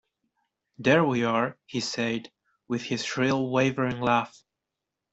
"There we are," he said, with his shrill, wavering laugh.